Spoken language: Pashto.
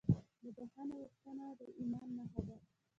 د بښنې غوښتنه د ایمان نښه ده.